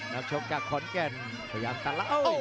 นับชมกับขนแก่นพยายามตลาด